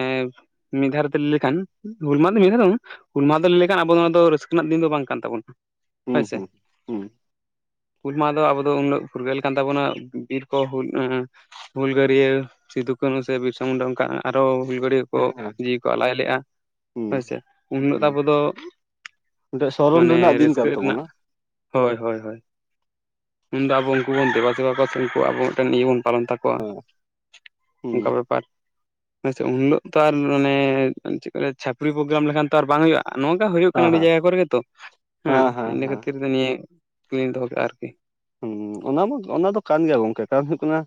ᱢᱤᱫᱹ ᱫᱷᱟᱳᱨᱮᱯᱮ ᱞᱟᱹᱭ ᱞᱮᱠᱷᱟᱱ ᱦᱩᱞ ᱢᱟᱦᱟ ᱫᱚ ᱢᱮᱱᱮᱫ ᱵᱟᱝ ᱦᱩᱞ ᱢᱟᱦ ᱫᱚ ᱞᱟᱹᱭ ᱞᱮᱠᱷᱟᱱ ᱟᱵᱚ ᱱᱚᱣᱟ ᱫᱚ ᱨᱟᱹᱥᱠᱟᱹ ᱨᱮᱱᱟᱜ ᱫᱤᱱ ᱫᱚ ᱵᱟᱝ ᱠᱟᱱ ᱛᱟᱵᱚᱱᱟ ᱦᱩᱸ ᱦᱳᱭ ᱥᱮ ᱦᱩᱸ ᱦᱩᱸ [inaudible] ᱦᱩᱞ ᱢᱟᱦᱟ ᱫᱚ ᱟᱵᱚ ᱫᱚ ᱩᱱᱟᱹᱜ ᱯᱷᱩᱨᱜᱟᱹᱞ ᱠᱟᱱ ᱛᱟᱵᱚᱱᱟ ᱵᱤᱨ ᱠᱚ ᱦᱩᱞ ᱦᱩᱞᱜᱟᱹᱨᱭᱟᱹ ᱥᱤᱫᱩᱠᱱᱩ ᱠᱱ ᱥᱮ ᱵᱤᱨᱥᱟ ᱢᱩᱱᱰᱟ ᱚᱱᱠᱟ ᱟᱨ ᱦᱚ ᱦᱩᱞᱜᱟᱹᱨᱭᱟᱹ ᱠᱚ ᱦᱮᱸ ᱦᱮᱸ ᱡᱤᱣᱤ ᱠᱚ ᱟᱞᱟᱭ ᱞᱮᱫ-ᱟ ᱦᱩᱸ ᱦᱮᱸᱥᱮ ᱩᱱ ᱦᱤᱞᱳᱜ ᱫᱚ ᱦᱩᱸ ᱟᱵᱚ ᱫᱚ ᱢᱤᱫᱴᱮᱡ ᱥᱚᱨᱚᱱ ᱢᱟᱱᱮ ᱨᱮᱱᱟᱜ ᱫᱤᱱ ᱨᱟᱹᱥᱠᱟᱹ ᱠᱟᱱ ᱨᱮᱱᱟᱜ ᱛᱟᱵᱚᱱᱟ ᱦᱳᱭ ᱦᱳᱭ ᱩᱱᱫᱚ ᱟᱵᱚ ᱩᱱᱠᱩ ᱵᱚᱱ ᱫᱮᱵᱟ ᱥᱮᱵᱟ ᱠᱚᱣᱟ ᱥᱮ ᱩᱱᱠᱩ ᱟᱵᱚ ᱢᱤᱫᱴᱮᱱ ᱤᱭᱟᱹ ᱵᱚᱱ ᱯᱟᱞᱚᱱ ᱛᱟᱠᱚᱣᱟ ᱦᱩᱸ ᱚᱱᱠᱟ ᱵᱮᱯᱟᱨ ᱟᱪᱷᱟ ᱩᱱᱦᱤᱞᱳᱜ ᱛᱚ ᱟᱨ ᱢᱟᱱᱮ ᱪᱮᱫ ᱠᱚ ᱪᱷᱟᱹᱯᱨᱤ ᱯᱨᱳᱜᱨᱟᱢ ᱞᱮᱠᱷᱟᱱ ᱛᱚ ᱟᱨ ᱵᱟᱝ ᱦᱩᱭᱩᱜ-ᱟ ᱱᱚᱝᱠᱟ ᱦᱩᱭᱩᱜ ᱠᱟᱱᱟ ᱦᱮᱸ ᱟᱹᱰᱤ ᱦᱮᱸ ᱡᱟᱭᱜᱟ ᱠᱚᱨᱮ ᱜᱮ ᱛᱚ ᱦᱮᱸ ᱤᱱᱟᱹ ᱠᱷᱟᱹᱛᱤᱨ ᱫᱚ ᱱᱤᱭᱟ ᱠᱞᱤᱧ ᱫᱚᱦᱚ ᱠᱮᱫ-ᱟ ᱟᱨᱠᱤ ᱦᱮᱸ ᱚᱱᱟ ᱢᱟ ᱚᱱᱟ ᱫᱚ ᱠᱟᱱ ᱜᱮᱭᱟ ᱜᱚᱢᱠᱮ ᱠᱟᱨᱚᱱ ᱦᱩᱭᱩᱜ ᱠᱟᱱᱟ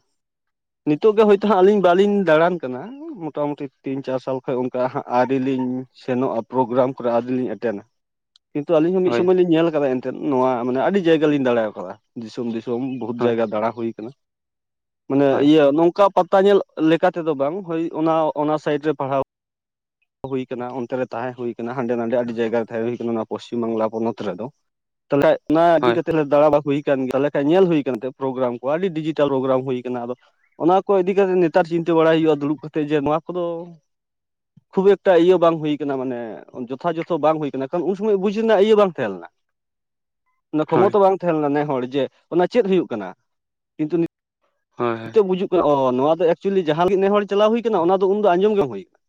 ᱱᱤᱛᱚᱜ ᱜᱮ ᱦᱳᱭᱛᱳ ᱦᱟᱸᱜ ᱟᱹᱞᱤᱧ ᱵᱟᱟᱹᱞᱤᱧ ᱫᱟᱬᱟᱱ ᱠᱟᱱᱟ ᱢᱚᱴᱟᱢᱩᱴᱤ ᱛᱤᱱ ᱪᱟᱨ ᱥᱟᱞ ᱠᱷᱚᱡ ᱚᱱᱠᱟ ᱦᱟᱸᱜ ᱟᱹᱣᱨᱤᱼᱼ ᱤᱧ ᱥᱮᱱᱚᱜᱼᱟ ᱯᱨᱳᱜᱨᱟᱢ ᱠᱚᱨᱮ ᱟᱹᱣᱨᱤ ᱞᱤᱧ ᱮᱴᱮᱱᱱᱟ ᱠᱤᱱᱛᱩ ᱟᱞᱤᱧ ᱦᱚᱸᱚᱸ ᱢᱤᱫ ᱦᱳᱭ ᱥᱚᱢᱚᱭ ᱞᱤ ᱧᱮᱞ ᱟᱠᱟᱫᱟ ᱮᱱᱛᱮᱜ ᱱᱚᱣᱟ ᱢᱟᱱᱮ ᱟᱹᱰᱤ ᱡᱟᱭᱜᱟ ᱞᱤᱧ ᱫᱟᱲᱟᱣ ᱟᱠᱟᱫᱟ ᱫᱤᱥᱚᱢ ᱫᱤᱥᱚᱢ [unintelligible] ᱵᱚᱦᱩᱛ ᱦᱳᱭ ᱡᱟᱭᱜᱟ ᱫᱟᱬᱟ ᱦ ᱦᱩᱭ ᱟᱠᱟᱱᱟ ᱢᱟᱱᱮ ᱦᱳᱭ ᱤᱭᱟᱹ ᱱᱚᱝᱠᱟ ᱯᱟᱛᱛᱟ ᱧᱮᱞ ᱞᱮᱠᱟ ᱛᱮᱫᱚ ᱵᱟᱝ ᱦᱳᱭ ᱚᱱᱟ ᱚᱱᱟ ᱥᱟᱭᱤᱰ ᱨᱮ ᱯᱟᱲᱦᱟᱣ ᱦᱩᱭ ᱠᱟᱱᱟ ᱚᱱᱛᱮ ᱨᱮ ᱛᱟᱦᱮᱸ ᱦᱩᱭ ᱠᱟᱱᱟ ᱦᱟᱸᱰᱮ ᱱᱟᱰᱮ ᱟᱹᱰᱤ ᱡᱟᱭᱜᱟ ᱨᱮ ᱛᱟᱦᱮᱸ ᱦᱩᱭ ᱠᱟᱱᱟ ᱱᱚᱣᱟ ᱯᱚᱥᱪᱤᱢ ᱵᱟᱝᱞᱟ ᱯᱚᱱᱚᱛ ᱨᱮᱫᱚ ᱛᱟᱦᱚᱞᱮ ᱚᱱᱟ ᱤᱫᱤ ᱦᱳᱭ ᱠᱟᱛᱮᱫ ᱞᱮ ᱫᱟᱬᱟ ᱵᱟᱠᱚ ᱦᱩᱭ ᱜᱮᱭᱟᱠᱷᱟᱱ ᱧᱮᱞ ᱦᱩᱭ ᱯᱨᱳᱜᱨᱟᱢ ᱠᱚ ᱟᱹᱰᱤ ᱰᱤᱡᱤᱴᱟᱞ ᱯᱨᱳᱜᱨᱟᱢ ᱦᱩᱭ ᱟᱫᱚ ᱚᱱᱟ ᱠᱚ ᱤᱫᱤ ᱠᱟᱛᱮ ᱱᱮᱛᱟᱨ ᱪᱤᱱᱼᱼ ᱤᱛᱟᱹ ᱵᱟᱲᱟᱟᱭ ᱦᱩᱭᱩᱜᱼᱟ ᱫᱩᱲᱩᱵ ᱠᱟᱛᱮᱜ ᱡᱮ ᱱᱚᱣᱟ ᱠᱚᱫᱚ [inaudible] ᱠᱷᱩᱵ ᱮᱠᱴ ᱤᱭᱟᱹ ᱵᱟᱝ ᱦ ᱦᱩᱭ ᱟᱠᱟᱱᱟ ᱢᱟᱱᱮ ᱡᱚᱛᱷᱟ ᱡᱚᱛᱚ ᱵᱟᱝ ᱦᱩᱭ ᱠᱟᱱᱟ ᱠᱟᱨᱚᱱ ᱩᱱ ᱥᱚᱢᱚᱭ ᱵᱩᱡ ᱨᱮᱱᱟᱜ ᱤᱭᱟᱹ ᱵᱟᱝ ᱛᱟᱦᱮᱸ ᱞᱮᱱᱟ᱾ [inaudible] ᱠᱷᱚᱢᱚᱛᱟ ᱵᱟᱝ ᱛᱟᱦᱮᱸᱞᱮᱱᱟ ᱱᱮ ᱦᱚᱲ ᱡᱮ ᱚᱱᱟ ᱪᱮᱫ ᱦᱩᱭᱩᱜ ᱠᱟᱱᱟ᱾ ᱠᱤᱱᱛᱩ ᱦᱳᱭ ᱱᱤᱛᱚᱜ ᱵᱩᱡᱩᱜ ᱠᱟᱱᱟ ᱚᱻ ᱱᱚᱣᱟ ᱫᱚ ᱮᱠᱪᱩᱭᱮᱞᱤ ᱡᱟᱦᱟᱸ ᱢᱤᱫ ᱱᱮ ᱦᱚᱲ ᱪᱟᱞᱟᱣ ᱦᱩᱭ ᱟᱠᱟᱱᱟᱱᱟ ᱚᱱᱟ ᱫᱚ ᱩᱱᱫᱚ ᱟᱸᱡᱚᱢ ᱜᱮᱢ ᱦᱩᱭ ᱟᱠᱟᱱᱟ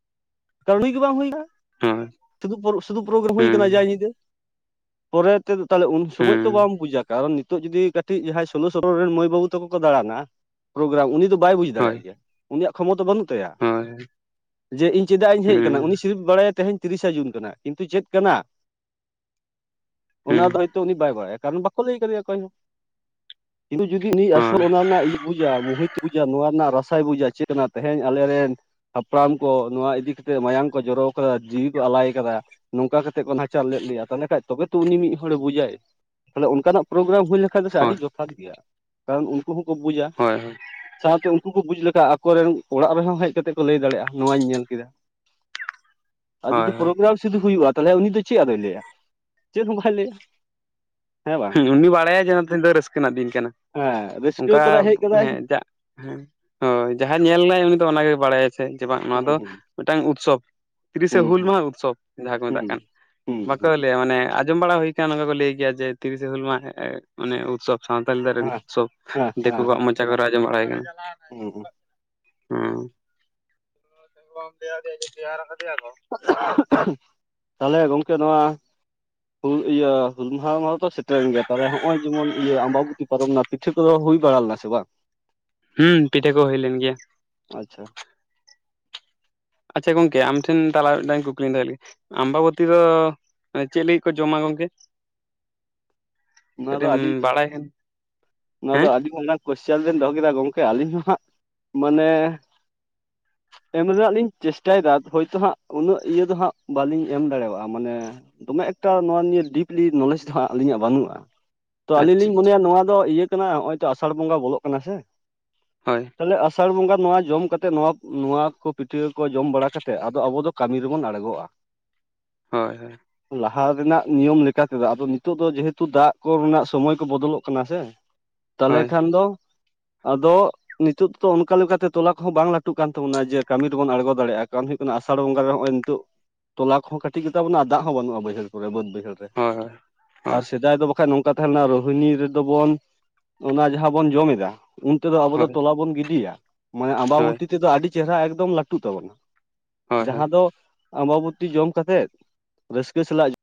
ᱠᱟᱨᱚᱱ ᱜᱮ ᱵᱟᱝ ᱦᱩᱭ ᱟᱠᱟᱱᱟ ᱦᱳᱭ ᱦᱳᱭ ᱥᱩᱫᱩ ᱥᱩᱫᱩ ᱯᱨᱳᱜᱨᱟᱢ ᱦᱩᱸ ᱦᱩᱭᱟᱠᱟᱱᱟ ᱡᱟ ᱧᱤᱫᱟᱹ ᱯᱚᱨᱮ ᱟᱦᱚᱞᱮ ᱩᱱ ᱥᱚᱢᱚᱭ ᱛᱚ ᱦᱩᱸ ᱵᱟᱢ ᱵᱩᱡᱟ ᱠᱟᱨᱚᱱ ᱱᱤᱛᱚᱜ ᱡᱩᱫᱤ ᱠᱟᱹᱴᱤᱡ ᱡᱟᱦᱟᱸᱭ ᱥᱳᱞᱳ ᱥᱚᱛᱮᱨᱳ ᱨᱮᱱ ᱢᱟᱹᱭ ᱵᱟᱹᱵᱩ ᱛᱟᱠᱚ ᱠᱚ ᱫᱟᱲᱟᱱᱟ ᱯᱨᱳᱜᱨᱟᱢ ᱩᱱᱤ ᱫᱚ ᱵᱟᱭ ᱵᱩᱡᱽ ᱦᱳᱭ ᱫᱟᱲᱭᱟᱜ ᱜᱮᱭᱟ ᱩᱱᱤᱭᱟᱜ ᱠᱷᱚᱵᱚᱨ ᱫᱚ ᱵᱟᱹᱱᱩᱜᱼᱟ ᱦᱳᱭ ᱡᱮ ᱤᱧ ᱪᱮᱫᱟᱜ ᱤᱧ ᱦᱮᱡ ᱟᱠᱟᱱᱟ ᱦᱩᱸ ᱩᱱᱤ ᱥᱤᱨᱯ ᱵᱟᱲᱟᱭᱟ ᱛᱮᱦᱮᱧ ᱛᱤᱨᱤᱥᱟ ᱡᱩᱱ ᱠᱟᱱᱟ ᱠᱤᱱᱛᱩ ᱪᱮᱫ ᱠᱟᱱᱟ ᱦᱩᱸ ᱚᱱᱟ ᱫᱚ ᱦᱚᱭᱛᱳ ᱩᱱᱤ ᱵᱟᱭ ᱜᱚᱲᱟᱭᱟ ᱠᱟᱨᱚᱱ ᱵᱟᱠᱚ ᱞᱟᱹᱭ ᱟᱠᱟᱫᱮᱧᱭᱟ ᱚᱠᱚᱭ ᱦᱚᱸ ᱠᱤᱱᱛᱩ ᱡᱩᱫᱤ ᱟᱥᱚᱞ ᱦᱳᱭ ᱚᱱᱟ ᱨᱮᱱᱟᱜ ᱤᱭᱟᱹ [unintelligible] ᱱᱚᱣᱟ ᱨᱮᱱᱟᱜ ᱨᱟᱥᱟᱭ ᱵᱩᱡᱟ ᱪᱮᱫ ᱠᱟᱱᱟ ᱛᱮᱦᱮᱧ ᱟᱞᱮᱨᱮᱱ ᱦᱟᱯᱲᱟᱢ ᱠᱚ ᱱᱚᱣᱟ ᱤᱫᱤ ᱠᱟᱛᱮ ᱢᱟᱭᱟᱢ ᱠᱚ ᱡᱚᱨᱚ ᱟᱠᱟᱫᱟ ᱡᱤᱣᱤ ᱠᱚ ᱟᱞᱟᱭᱟᱠᱟᱫᱟ ᱱᱚᱝᱠᱟ ᱠᱟᱛᱮᱫ ᱠᱚ ᱱᱟᱦᱪᱟᱨ ᱞᱮᱫ ᱞᱮᱭᱟ ᱛᱟᱦᱚᱞᱮ ᱠᱷᱟᱱ ᱛᱚᱵᱮ ᱛᱚ ᱩᱱᱤ ᱢᱤᱫ ᱦᱚᱲ ᱵᱩᱡᱟᱭ ᱛᱟᱦᱚᱞᱮ ᱚᱱᱠᱟᱱᱟᱜ ᱯᱨᱳᱜᱨᱟᱢ ᱦᱩᱭ ᱞᱮᱠᱷᱷᱟ ᱫᱚ ᱦᱳᱭ ᱟᱹᱰᱤ ᱡᱚᱛᱷᱟᱛ ᱜᱮᱭᱟ ᱠᱟᱨᱚᱱ ᱩᱱᱠᱩ ᱦᱚᱸᱠᱚ ᱵᱩᱡᱟ ᱦᱳᱭ ᱥᱟᱶᱛᱮ ᱩᱱᱠᱩ ᱠᱚ ᱵᱩᱡᱽ ᱞᱮᱠᱷᱟᱱ ᱠᱟ ᱟᱠᱚᱨᱮᱱ ᱚᱲᱟᱜ ᱨᱮᱦᱚᱸ ᱦᱮᱡ ᱠᱟᱛᱮᱫ ᱠᱚ ᱞᱟᱹᱭ ᱫᱟᱲᱮᱭᱟᱜᱼᱟ ᱱᱚᱣᱟᱧ ᱧᱮᱞ ᱠᱮᱫᱟ ᱟᱨ ᱡᱩᱫᱤ ᱦᱳᱭ ᱯᱨᱳᱜᱨᱟᱢ ᱥᱩᱫᱩ ᱦᱩᱭᱩᱜᱼᱟ ᱛᱟᱦᱚᱞᱮ ᱩᱱᱤ ᱫᱚ ᱪᱮᱫ ᱟᱫᱚᱭ ᱞᱟᱹᱭᱟ ᱪᱮᱫ ᱦᱚᱸ ᱵᱟᱭ ᱞᱟᱹᱭᱟ ᱦᱮᱸ ᱩᱱᱤ ᱵᱟᱲᱟᱭᱟ ᱡᱮ ᱱᱛᱮ ᱫᱚ ᱨᱟᱹᱥᱠᱟᱹ ᱨᱮᱱᱟᱜ ᱫᱤᱱ ᱠᱟᱱᱟ ᱦᱮᱸ ᱨᱟᱹᱥᱠᱟᱹ ᱚᱱᱠᱟ ᱠᱟᱫᱟᱭ ᱦᱮᱡ ᱠᱟᱫᱟᱭ ᱦᱮᱸ ᱡᱟᱜ ᱦᱮᱸ ᱦᱳᱭ ᱡᱟᱦᱟᱸᱭ ᱧᱮᱞᱱᱟᱭ ᱩᱱᱤ ᱫᱚ ᱚᱱᱟᱜᱮᱭ ᱵᱟᱲᱟᱭᱟᱪᱚ ᱥᱮ ᱪᱮ ᱵᱟᱝ ᱱᱚᱣᱟ ᱦᱩᱸ ᱫᱚ ᱦᱩᱸ ᱢᱤᱫᱴᱟᱝ ᱩᱛᱥᱚᱵ ᱛᱤᱨᱤᱥᱮ ᱦᱩᱸ ᱦᱩᱞ ᱦᱩᱸ ᱢᱟᱦᱟ ᱩᱛᱥᱚᱵᱽ ᱡᱟᱦᱟᱸ ᱠᱚ ᱦᱩᱸ ᱢᱮᱛᱟᱜ ᱠᱟᱱ ᱦᱩᱸ ᱵᱟᱠᱚ ᱦᱩᱸ ᱞᱟᱹᱭᱟ ᱢᱟᱱᱮ ᱟᱸᱡᱚᱢ ᱵᱟᱲᱟ ᱦᱩᱭᱯ ᱚᱱᱟ ᱠᱚ ᱞᱟᱹᱭ ᱜᱮᱭᱟ ᱡᱮ ᱛᱤᱨᱤᱥᱮ ᱦᱩᱞ ᱢᱟᱦ ᱢᱟᱱᱮ ᱩᱛᱥᱚᱵ ᱥᱟᱱᱛᱟᱞᱤ ᱫ ᱦᱮᱸ ᱥᱚᱵ ᱦᱮᱸ ᱫᱤᱠᱩ ᱦᱮᱸ ᱠᱚᱣᱟᱜ ᱦᱮᱸ ᱢᱚᱪᱟ ᱠᱚᱨᱮ ᱠᱚᱟᱣ ᱢᱚᱪᱟ ᱠᱚᱨᱮ ᱟᱡᱚᱢ ᱵᱟᱲᱟᱭ ᱠᱟᱱᱟ ᱦᱩᱸ ᱦᱩᱸ ᱦᱩᱸ ᱟᱨ ᱛᱟᱦᱚᱞᱮ ᱜᱚᱝᱠᱮ ᱱᱚᱣᱟ ᱦᱩᱞ ᱤᱭᱟᱹ ᱦᱩᱞ ᱢᱟᱦᱟ ᱢᱟᱦᱟ ᱫᱚ ᱥᱮᱴᱮᱨᱮᱱ ᱜᱮᱭᱟ ᱛᱟᱦᱚᱞᱮ ᱱᱚᱜᱼᱚᱭ ᱡᱮᱢᱚᱱ ᱤᱭᱟᱹ ᱟᱢᱵᱟᱵᱚᱛᱤ ᱯᱟᱨᱚᱢᱱᱟ ᱯᱤᱴᱷᱟᱹ ᱠᱚᱫᱚ ᱦᱩᱭ ᱵᱟᱲᱞᱟ ᱥᱮ ᱵᱟᱝ ᱦᱮᱸ ᱯᱤᱴᱷᱟᱹ ᱠᱚ ᱦᱩᱭ ᱞᱮᱱ ᱜᱮᱭᱟ᱾ ᱟᱪᱪᱷᱟ ᱟᱪᱪᱷᱟ ᱜᱚᱝᱠᱮ ᱟᱢ ᱴᱷᱮᱱ ᱛᱟᱞᱟ ᱢᱤᱫ ᱫᱟᱝᱧ ᱠᱩᱠᱞᱤᱧ ᱛᱮ ᱟᱢᱵᱟᱵᱚᱛᱤ ᱫᱚ ᱦᱮᱸ ᱪᱮᱫ ᱞᱟᱹᱜᱤᱫ ᱠᱚ ᱡᱚᱢᱟ ᱜᱚᱝᱠᱮ? ᱱᱚᱣᱟ ᱫᱚ ᱠᱟᱹᱴᱤᱡ ᱮᱢ ᱟᱹᱰᱤ ᱵᱟᱲᱟᱭ ᱠᱷᱟᱱ ᱱᱚᱣᱟ ᱫᱚ ᱦᱮᱸ ᱟᱹᱰᱤ ᱚᱱᱟ ᱠᱚᱥᱪᱟᱱ ᱵᱮᱱ ᱫᱚᱦᱚ ᱠᱮᱫᱟ ᱜᱚᱝᱠᱮ ᱟᱹᱞᱤᱧ ᱦᱚᱸᱦᱟᱸᱜ ᱢᱟᱱᱮ [inaudible] ᱮᱢ ᱨᱮᱱᱟᱜ ᱞᱤᱧ ᱪᱮᱥᱴᱟᱭᱮᱫᱟ ᱦᱳᱭᱛᱳ ᱦᱟᱸᱜ ᱩᱱᱟᱹᱜ ᱤᱭᱟᱹ ᱫᱚ ᱦᱟᱸᱜ ᱵᱟᱞᱤᱧ ᱮᱢ ᱫᱟᱲᱮᱭᱟᱜᱼᱟ ᱢᱟᱱᱮ ᱫᱚᱢᱮ ᱮᱠᱴᱟ ᱱᱚᱣᱟ ᱱᱤᱭᱟᱹ ᱰᱤᱯᱞᱤ ᱱᱚᱞᱮᱡᱽ ᱫᱚᱦᱜ ᱟᱹᱞᱤᱧᱟᱜ ᱵᱟᱹᱱᱩᱜᱼᱟ᱾ ᱛᱚ ᱟᱹᱞᱤᱧ ᱟᱪᱪᱷᱟ ᱞᱤᱧ ᱟᱪᱪᱷᱟ ᱢᱚᱱᱮᱭᱟ ᱱᱚᱣᱟ ᱫᱚ ᱤᱭᱟᱹ ᱠᱟᱱᱟ ᱱᱚᱜ ᱚᱭ ᱛᱚ ᱟᱥᱟᱲ ᱵᱚᱸᱜᱟ ᱵᱚᱞᱚᱜ ᱠᱟᱱᱟ ᱥᱮ ᱦᱳᱭ ᱛᱟᱦᱞᱮ ᱟᱥᱟᱲ ᱟᱥᱟᱲ ᱵᱚᱸᱜᱟ ᱱᱚᱣᱟ ᱡᱚᱢ ᱠᱟᱛᱮ ᱱᱚᱣᱟ ᱱᱚᱣᱟ ᱠᱚ ᱯᱤᱴᱷᱟᱹ ᱠᱚ ᱡᱚᱢ ᱵᱟᱲᱟ ᱠᱟᱛᱮᱫ ᱟᱫᱚ ᱟᱵᱚ ᱫᱚ ᱠᱟᱹᱢᱤ ᱨᱮᱵᱚᱱ ᱟᱲᱜᱚᱜᱼᱟ ᱦᱳᱭ ᱦᱳᱭ ᱞᱟᱦᱟ ᱨᱮᱱᱟᱜ ᱱᱤᱭᱚᱢ ᱞᱮᱠᱟᱛᱮᱫᱚ ᱟᱫᱚ ᱱᱤᱛᱚᱜ ᱫᱚ ᱡᱮᱦᱮᱛᱩ ᱫᱟᱜ ᱠᱚᱨᱮᱱᱟᱜ ᱥᱚᱢᱚᱭ ᱠᱚ ᱵᱚᱫᱚᱞᱚᱜ ᱠᱟᱱᱟ ᱥᱮ ᱛᱟᱞᱮ ᱦᱳᱭ ᱠᱷᱟᱱ ᱫᱚ ᱟᱫᱚ ᱱᱤᱛᱳᱜ ᱫᱚᱚ ᱚᱱᱠᱟᱠᱟ ᱞᱮᱠᱟᱛᱮ ᱛᱚᱞᱟ ᱠᱚᱦᱚᱸ ᱵᱟᱝ ᱞᱟᱹᱴᱩᱜ ᱠᱟᱱ ᱛᱟᱵᱚᱱᱟ ᱡᱮ ᱠᱟᱹᱢᱤ ᱨᱮᱵᱚᱱ ᱟᱬᱜᱚ ᱫᱟᱲᱮᱭᱟᱜᱼᱟ ᱠᱟᱨ ᱠᱟᱱᱟ ᱟᱥᱟᱲ ᱵᱚᱸᱜᱟ ᱨᱮ ᱱᱚᱜᱚᱭ ᱱᱤᱛᱚᱜ ᱛᱚᱞᱟ ᱠᱚᱦᱚ ᱠᱟᱹᱴᱤᱡ ᱜᱮᱛᱟ ᱵᱚᱱᱟ ᱫᱟᱜ ᱦᱚᱸ ᱵᱟᱹᱱᱩᱜᱼᱟ ᱵᱟᱹᱭᱦᱟᱹᱲ ᱠᱚᱨᱮ ᱵᱟᱹᱫ ᱵᱟᱹᱭᱦᱟᱹᱲ ᱦᱳᱭ ᱦᱳᱭ ᱟᱨ ᱦᱳᱭ ᱥᱮᱫᱟᱭ ᱫᱚ ᱵᱟᱝ ᱵᱟᱠᱷᱟ ᱱᱚᱝᱠᱟ ᱛᱟᱦᱮᱸ ᱞᱮᱱᱟ ᱨᱳᱦᱤᱱᱤ ᱨᱮᱫᱚ ᱵᱚᱱ ᱚᱱᱟ ᱡᱟᱦᱟᱸ ᱵᱚᱱ ᱡᱚᱢ ᱮᱫᱟ ᱩᱱ ᱛᱮᱫᱚ ᱟᱵᱚ ᱦᱳᱭ ᱛᱚᱞᱟ ᱵᱚᱱ ᱜᱤᱰᱤᱭᱟ ᱢᱟᱱᱮ ᱦᱳᱭ ᱟᱢᱵᱟᱵᱟᱹᱚᱛᱤ ᱛᱮᱫᱚ ᱟᱹᱰᱤ ᱪᱮᱦᱨᱟ ᱮᱠᱫᱚᱢ ᱞᱟᱹᱴᱩᱜ ᱛᱟᱵᱚᱱᱟ ᱦᱳᱭ ᱦᱳᱭ ᱫᱚ ᱟᱢᱵᱟᱵᱚᱛᱤ ᱡᱚᱢ ᱠᱟᱛᱮᱮᱫ ᱨᱟᱹᱥᱠᱟᱹ ᱥᱟᱞᱟᱜ